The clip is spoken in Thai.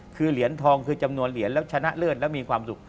คือเหรียญทองคือจำนวนเหรียญแล้วชนะเลิศแล้วมีความสุข